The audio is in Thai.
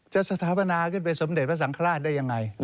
สถาปนาขึ้นไปสมเด็จพระสังฆราชได้ยังไง